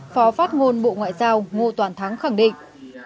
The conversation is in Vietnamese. phó phát ngôn bộ ngoại giao ngô toàn thắng khẳng định